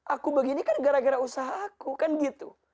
aku begini kan gara gara usaha aku kan gitu